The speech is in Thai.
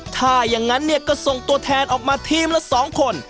ถ้าอย่างนั้นเนี่ยก็ส่งตัวแทนออกมาทีมละ๒คน